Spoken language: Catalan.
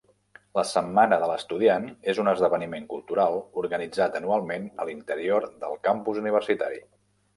La Setmana de l'Estudiant, és un esdeveniment cultural organitzat anualment a l'interior del campus universitari.